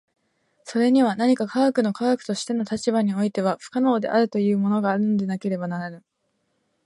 それには何か科学の科学としての立場においては不可能であるというものがあるのでなければならぬ。